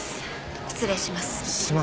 失礼します。